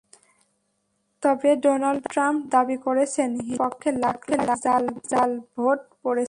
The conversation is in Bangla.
তবে ডোনাল্ড ট্রাম্প দাবি করেছেন, হিলারির পক্ষে লাখ লাখ জাল ভোট পড়েছে।